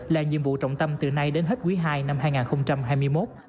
là nhiệm vụ trọng tâm từ nay đến hết quý ii năm hai nghìn hai mươi một